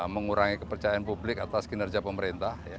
mengurangi kepercayaan publik atas kinerja pemerintah